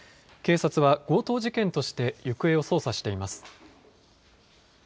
警察は強盗事件として、行方を捜査しています。